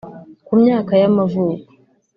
Ku myaka y’amavuko